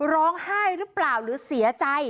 ร้องไห้หรือเปล่าหรือเสียใจ